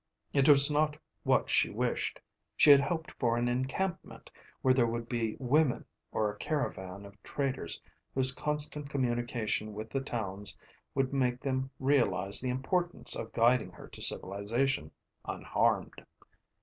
It was not what she wished. She had hoped for an encampment, where there would be women or a caravan of traders whose constant communication with the towns would make them realise the importance of guiding her to civilisation unharmed.